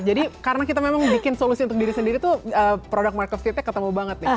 jadi karena kita memang bikin solusi untuk diri sendiri tuh produk market fitnya ketemu banget